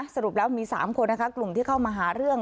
สรุปแล้วมี๓คนนะคะกลุ่มที่เข้ามาหาเรื่อง